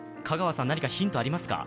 香川さん、何かヒントあります？